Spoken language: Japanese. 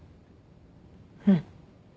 うん。